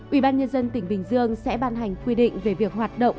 ủy ban nhân dân tỉnh bình dương sẽ ban hành quy định về việc hoạt động